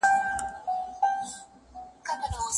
ایا افغان سوداګر وچه میوه ساتي؟